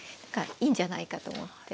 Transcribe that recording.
いいんじゃないかと思って。